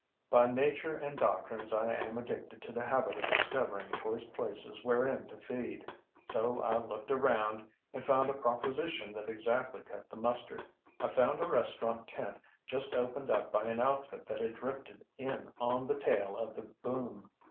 ŌĆ£By nature and doctrines I am addicted to the habit of discovering choice places wherein to feed. So I looked around and found a proposition that exactly cut the mustard. I found a restaurant tent just opened up by an outfit that had drifted in on the tail of the boom.